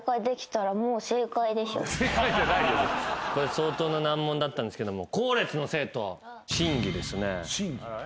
相当な難問だったんですけども。